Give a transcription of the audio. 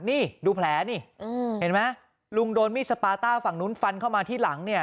นี่ดูแผลนี่เห็นไหมลุงโดนมีดสปาต้าฝั่งนู้นฟันเข้ามาที่หลังเนี่ย